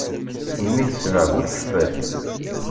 Mmi d ssbeɛ bu lkeffat.